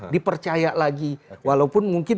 dipercaya lagi walaupun mungkin